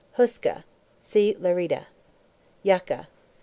HUESCA. See LE"RIDA. JACA.